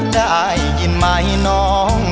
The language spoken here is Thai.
ได้ยินไหมน้อง